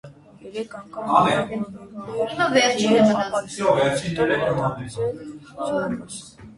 Երեք անգամ վիրավորվել է և ապաքինվելուց հետո վերադարձել զորամաս։